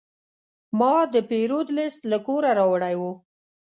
ما د پیرود لیست له کوره راوړی و.